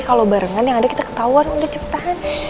kalau barengan yang ada kita ketauan udah cepet tahan